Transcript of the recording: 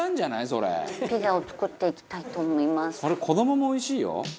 「それ子どももおいしいよ？